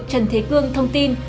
trần thế cương thông tin